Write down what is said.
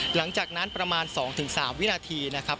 หลังจากนั้นประมาณ๒๓วินาทีนะครับ